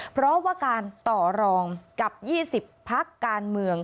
เพราะว่าการต่อรองกับ๒๐พักการเมือง